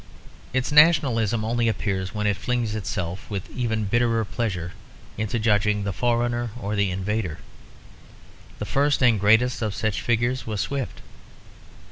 Its nationalism only appears when it flings itself with even bitterer pleasure into judging the foreigner or the invader. The first and greatest of such figures was Swift.